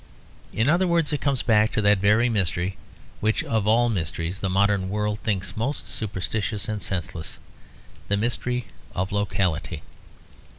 In other words it comes back to that very mystery which of all mysteries the modern world thinks most superstitious and senseless; the mystery of locality.